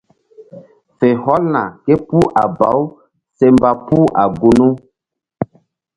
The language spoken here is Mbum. Fe hɔlna képuh a baw se mba puh a gunu.